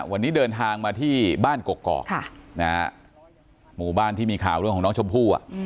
วันนี้เดินทางมาที่บ้านกกอกหมู่บ้านที่มีข่าวเรื่องของน้องชมพู่